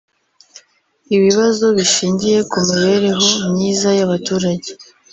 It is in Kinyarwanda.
ibibazo bishingiye ku mibereho myiza y’abaturage